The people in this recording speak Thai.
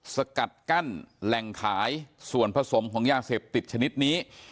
สกัดกั้นแหล่งขายส่วนผสมของยาเสพติดชนิดนี้